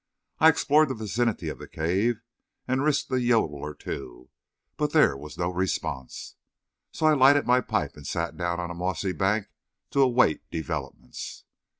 I explored the vicinity of the cave, and risked a yodel or two, but there was no response. So I lighted my pipe and sat down on a mossy bank to await developments.